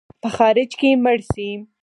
په خارج کې مړ سې.